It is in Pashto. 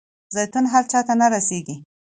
زیتون هر چاته نه رسیږي.